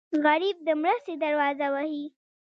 غریب د مرستې دروازه وهي